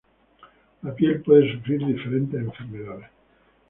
La piel puede sufrir diferentes enfermedades.